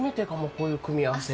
こういう組み合わせ。